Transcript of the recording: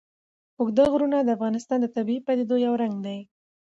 اوږده غرونه د افغانستان د طبیعي پدیدو یو رنګ دی.